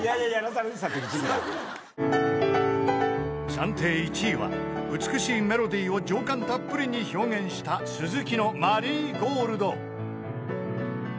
［暫定１位は美しいメロディーを情感たっぷりに表現した鈴木の『マリーゴールド』］